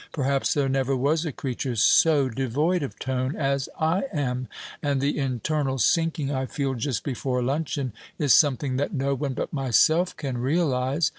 Perhaps there never was a creature so devoid of tone as I am; and the internal sinking I feel just before luncheon is something that no one but myself can realize.